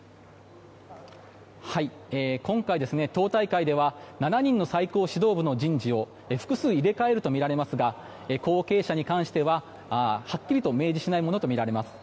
今回、党大会では７人の最高指導部の人事を複数入れ替えるとみられますが後継者に関してははっきりと明示しないものとみられます。